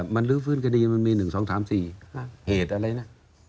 มันลื้อฟื้นคดีมันมี๑๒๓๔เหตุอะไรนะ